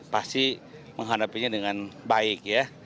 pasti menghadapinya dengan baik ya